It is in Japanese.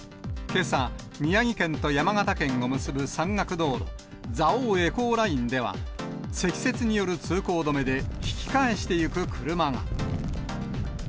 けさ、宮城県と山形県を結ぶ山岳道路、蔵王エコーラインでは、積雪による通行止めで引き返していく車が。